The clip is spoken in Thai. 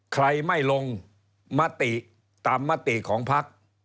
ใครไม่ลงมติตามมติของพัก